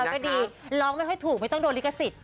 ก็ดีร้องไม่ค่อยถูกไม่ต้องโดนลิขสิทธิ